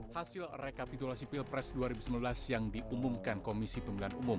hasil rekapitulasi pilpres dua ribu sembilan belas yang diumumkan komisi pemilihan umum